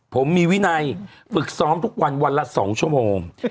ผมมีวินัยฝึกซ้อมทุกวันวันละ๒ชั่วโมง